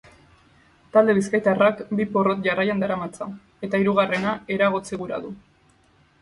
Talde bizkaitarrak bi porrot jarraian daramatza eta hirugarrena eragotzi gura du.